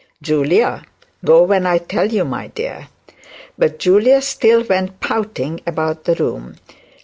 'Julia, go when I tell you, my dear.' But Julia still went pouting about the room.